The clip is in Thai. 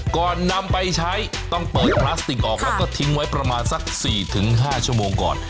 ก่อนนำไปใช้ต้องเปิดพลาสติกออกแล้วก็ทิ้งไว้ประมาณสัก๔๕ชั่วโมงก่อน